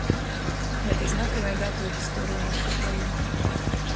Гэта знакавая дата ў гісторыі нашай краіны.